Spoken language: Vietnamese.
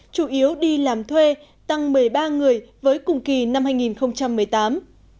chủ yếu đi làm thuê tăng một mươi ba người với cùng kỳ năm hai nghìn một mươi tám